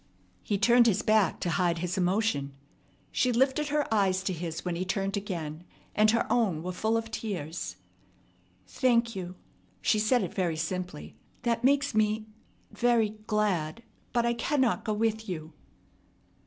He turned his back to hide his emotion. She lifted her eyes to his when he turned again, and her own were full of tears. "Thank you!" She said it very simply. "That makes me very glad! But I cannot go with you."